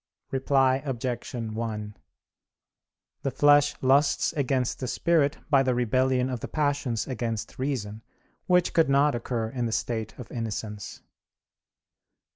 Reply Obj. 1: The flesh lusts against the spirit by the rebellion of the passions against reason; which could not occur in the state of innocence.